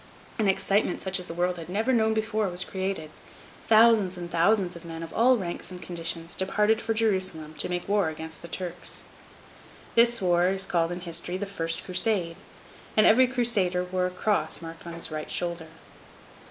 An excitement such as the world had never known before was created. Thousands and thousands of men of all ranks and conditions departed for Jerusalem to make war against the Turks. The war is called in history the first Crusade, and every Crusader wore a cross marked on his right shoulder.